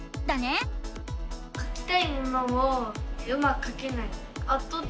かきたいものをうまくかけない。